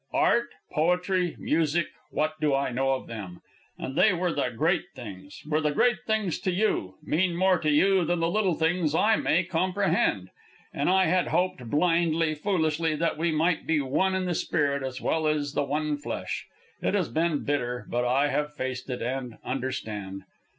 Art, poetry, music, what do I know of them? And they were the great things, are the great things to you, mean more to you than the little things I may comprehend. And I had hoped, blindly, foolishly, that we might be one in the spirit as well as the one flesh. It has been bitter, but I have faced it, and understand.